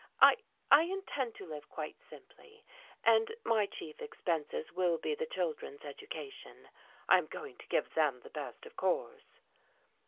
"I I intend to live quite simply, and my chief expenses will be the children's education. I am going to give them the best, of course."